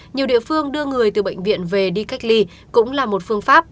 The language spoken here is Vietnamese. nhiều địa phương đưa người từ bệnh viện về đi cách ly cũng là một phương pháp